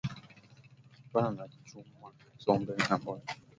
Apana ku chuma sombe ngambo yango